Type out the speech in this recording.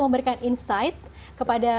memberikan insight kepada